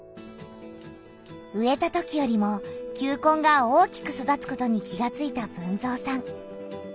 植えたときよりも球根が大きく育つことに気がついた豊造さん。